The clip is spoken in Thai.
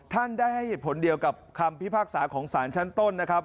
ท่านได้ให้เหตุผลเดียวกับคำพิพากษาของสารชั้นต้นนะครับ